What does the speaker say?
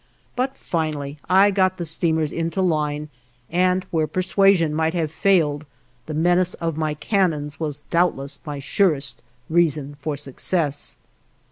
But finally I got the steamers into line, and where persuasion might have failed the menace of my cannons was doubtless my surest reason for success.